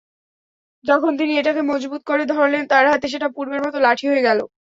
যখন তিনি এটাকে মযবুত করে ধরলেন তার হাতে সেটা পূর্বের মত লাঠি হয়ে গেল।